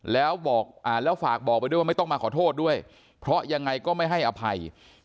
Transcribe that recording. แล้วฝากบอกไปด้วยว่าไม่ต้องมาขอโทษด้วยเพราะยังไงก็ไม่ให้อภัย